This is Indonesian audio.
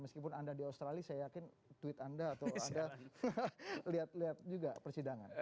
meskipun anda di australia saya yakin tweet anda atau anda lihat lihat juga persidangan